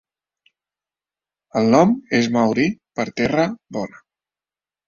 El nom és Maori per "terra bona".